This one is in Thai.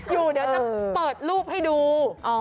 เดี๋ยวจะเปิดรูปให้ดู